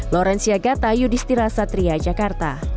laurencia gata yudhistira satria jakarta